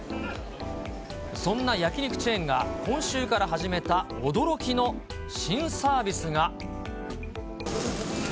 そんな焼き肉チェーンが今週から始めた驚きの新サービスが。